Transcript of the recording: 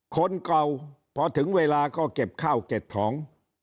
คนเก่าพอถึงเวลาก็เก็บข้าวเก็บของ